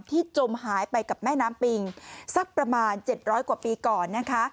จมหายไปกับแม่น้ำปิงสักประมาณ๗๐๐กว่าปีก่อนนะคะ